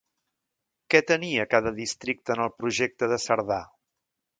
Què tenia cada districte en el projecte de Cerdà?